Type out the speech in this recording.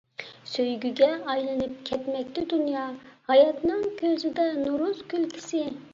سۆيگۈگە ئايلىنىپ كەتمەكتە دۇنيا، ھاياتنىڭ كۆزىدە نورۇز كۈلكىسى.